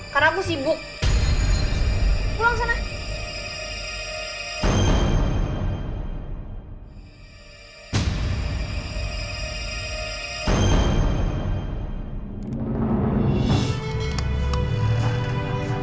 karena aku sibuk